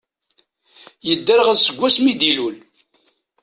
Yedderɣel seg wass mi d-ilul.